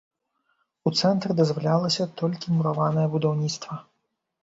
У цэнтры дазвалялася толькі мураванае будаўніцтва.